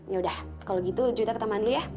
yaudah kalau gitu juwita ke taman dulu ya